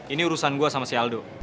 ini urusan gue sama si aldo